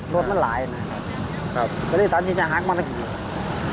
โดดมันหลายนะครับครับเพราะฉะนั้นที่จะฮักมันเกี่ยว